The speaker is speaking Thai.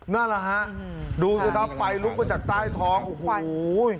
นั่นแหละฮะดูสิครับไฟลุกมาจากใต้ท้องโอ้โห